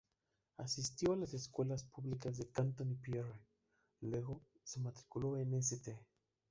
Asistió a las escuelas públicas de Canton y Pierre; luego se matriculó en St.